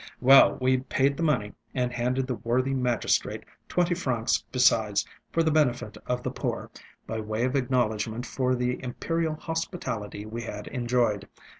Well, we paid the money, and handed the worthy magistrate twenty francs besides, for the benefit of the poor, by way of acknowledgment for the imperial hospitality we had enjoyed.